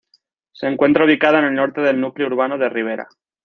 Se encuentra ubicada en el norte del núcleo urbano de Rivera.